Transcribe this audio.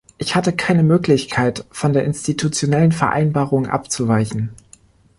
Ich hatte keine Möglichkeit, von der institutionellen Vereinbarung abzuweichen.